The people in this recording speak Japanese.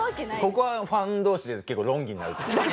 ここはファン同士で結構論議になるとこです。